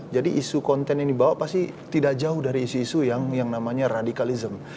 jadi isu konten ini dibawa pasti tidak jauh dari isu isu yang namanya radicalism